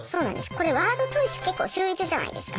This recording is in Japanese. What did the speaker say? これワードチョイス結構秀逸じゃないですか？